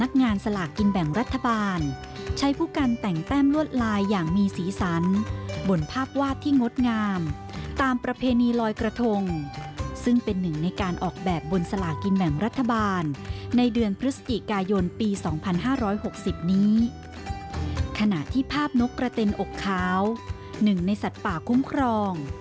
ขณะที่ภาพนกกระเต็นอกขาวหนึ่งในสัตว์ป่าคุ้มครอง